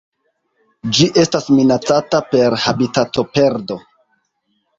Ĝi estas minacata per habitatoperdo.